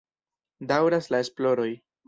Daŭras la esploroj.